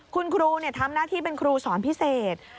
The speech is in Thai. คุณครูทำหน้าที่เป็นครูสอนพิเศษ